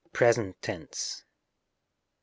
present tense.